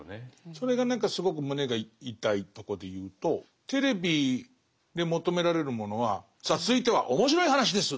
それが何かすごく胸が痛いとこで言うとテレビで求められるものは「さあ続いては面白い話です！」